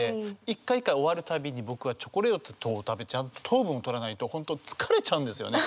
一回一回終わるたびに僕はチョコレートを食べちゃんと糖分をとらないと本当疲れちゃうんですよね。